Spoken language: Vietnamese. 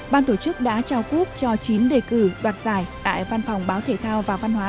ban tổ chức đã trao cúp cho chín đề cử đoạt giải tại văn phòng báo thể thao và văn hóa